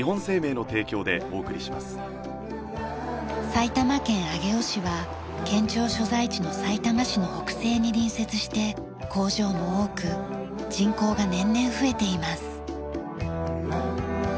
埼玉県上尾市は県庁所在地のさいたま市の北西に隣接して工場も多く人口が年々増えています。